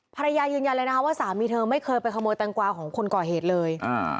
ยืนยันเลยนะคะว่าสามีเธอไม่เคยไปขโมยแตงกวาของคนก่อเหตุเลย